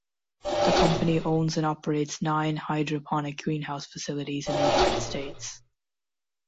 The company owns and operates nine hydroponic greenhouse facilities in the United States.